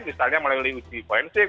misalnya melalui uji poensik